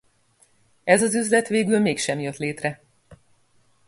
Ez az üzlet végül mégsem jött létre.